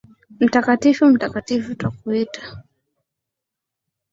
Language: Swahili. Mtakatifu, mtakatifu twakuita